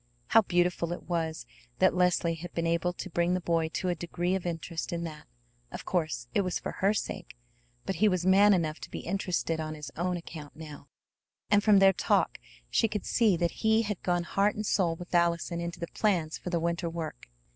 How beautiful it was that Leslie had been able to bring the boy to a degree of interest in that! Of course it was for her sake, but he was man enough to be interested on his own account now; and from their talk she could see that he had gone heart and soul with Allison into the plans for the winter work.